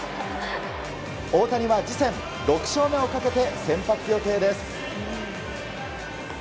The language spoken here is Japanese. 大谷は次戦、６勝目をかけて先発予定です。